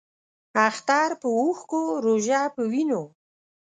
اختر پۀ اوښکو ، روژۀ پۀ وینو